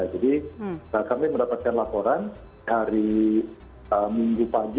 jadi kami mendapatkan laporan hari minggu pagi